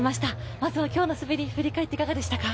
まずは今日の滑り、振り返っていかがでしたか？